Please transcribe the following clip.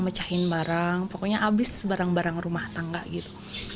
mecahin barang pokoknya habis barang barang rumah tangga gitu